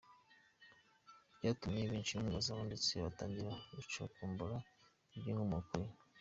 Byatumye benshi bamwibazaho ndetse batangira gucukumbura iby’inkomoko ye.